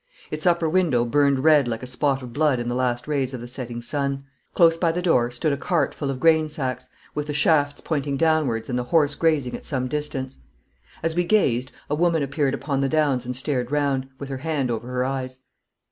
Its upper window burned red like a spot of blood in the last rays of the setting sun. Close by the door stood a cart full of grain sacks, with the shafts pointing downwards and the horse grazing at some distance. As we gazed, a woman appeared upon the downs and stared round, with her hand over her eyes.